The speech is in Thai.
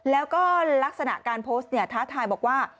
แล้วก็ลักษณะการโพสต์เนี่ยท้าทายบอกว่า